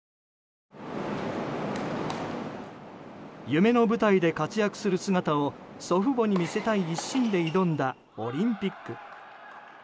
夢の舞台で活躍する姿を祖父母に見せたい一心で挑んだオリンピック。